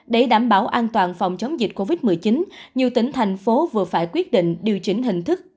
để đảm bảo an toàn phòng chống dịch covid một mươi chín nhiều tỉnh thành phố vừa phải quyết định điều chỉnh hình thức